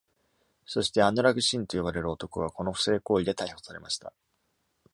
そして、アヌラグ・シンと呼ばれる男がこの不正行為で逮捕されました。